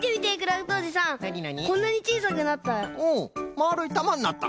まあるいたまになった。